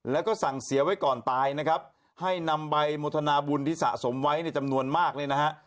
แล้วก็สั่งเสียไว้ก่อนตายนะครับให้นำใบโมทนาบุญที่สะสมไว้ในจำนวนมากเลยนะฮะ